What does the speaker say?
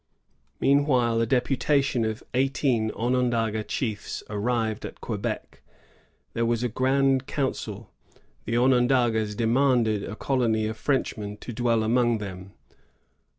Meanwhile a deputation of eighteen Onondaga chiefs arrived at Quebec. There was a grand council. The Onondagas demanded a colony of Frenchmen to dwell among them.